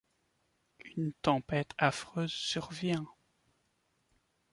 Une tempête affreuse survint.